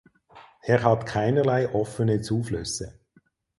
Er hat keinerlei offene Zuflüsse.